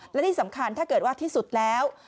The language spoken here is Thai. และที่สำคัญถ้าเกิดว่าที่สุดแล้ว